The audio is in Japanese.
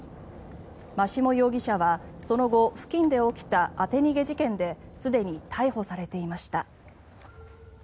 眞下容疑者はその後、付近で起きた当て逃げ事件ですでに逮捕されていました。